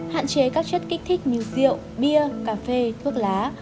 hạn chế các chất kích thích như rượu bia cà phê thuốc lá